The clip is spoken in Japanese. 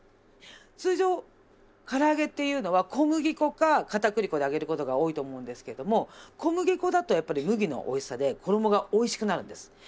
通常から揚げっていうのは小麦粉か片栗粉で揚げる事が多いと思うんですけれども小麦粉だとやっぱり麦のおいしさで衣がおいしくなるんです。